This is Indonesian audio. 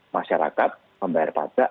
masyarakat membayar pajak